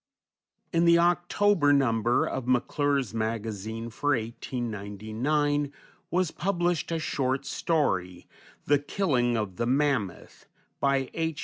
_" _In the October number of McClure's Magazine for 1899 was published a short story, "The Killing of the Mammoth," by "H.